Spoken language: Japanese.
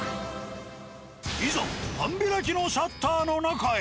いざ半開きのシャッターの中へ。